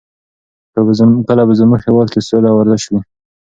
کله به زموږ په هېواد کې سوله او ورزش وي؟